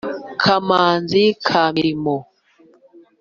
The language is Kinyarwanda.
Kamanzi ka Milimo,